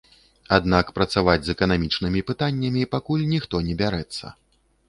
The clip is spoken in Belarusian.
Аднак працаваць з эканамічнымі пытаннямі пакуль ніхто не бярэцца.